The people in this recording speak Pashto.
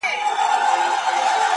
د انسانانو جهالت له موجه اوج ته تللی